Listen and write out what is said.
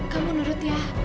kamu nurut ya